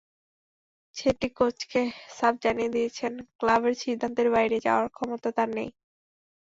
ছেত্রী কোচকে সাফ জানিয়ে দিয়েছেন, ক্লাবের সিদ্ধান্তের বাইরে যাওয়ার ক্ষমতা তাঁর নেই।